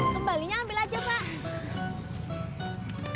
kembalinya ambil aja pak